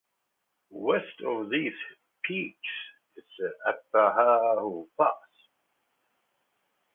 West of these peaks is Arapaho Pass.